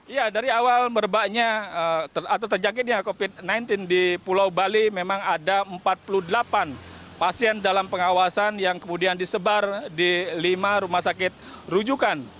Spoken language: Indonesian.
ya dari awal merebaknya atau terjangkitnya covid sembilan belas di pulau bali memang ada empat puluh delapan pasien dalam pengawasan yang kemudian disebar di lima rumah sakit rujukan